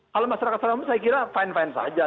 kalau masyarakat salah saya kira fine fine saja